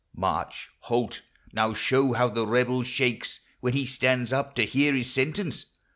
March! Halt! Now show how the rebel shakes When he stands up to hear his sentence.